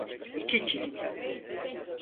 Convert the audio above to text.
İki çift.